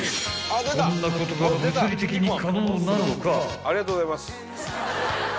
［こんなことが物理的に可能なのか？］